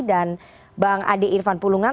dan bang adi irfan pulungan